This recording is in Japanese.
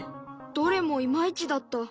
どれもいまいちだった。